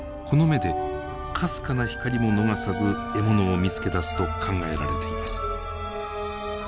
この目でかすかな光も逃さず獲物を見つけ出すと考えられています。